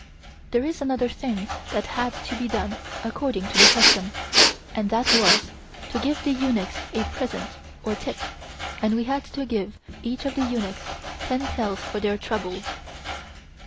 There is another thing that had to be done according to the custom, and that was to give the eunuchs a present or tip, and we had to give each of the eunuchs ten taels for their trouble.